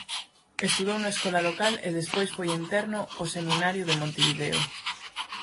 Estudou na escola local e despois foi interno ao Seminario de Montevideo.